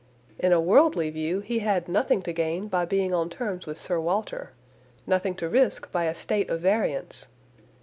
In a worldly view, he had nothing to gain by being on terms with Sir Walter; nothing to risk by a state of variance.